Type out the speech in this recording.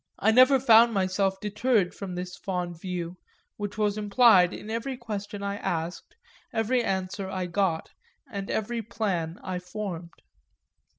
I never found myself deterred from this fond view, which was implied in every question I asked, every answer I got, and every plan I formed.